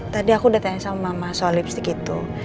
tadi aku udah tanya sama mama soal lipstick itu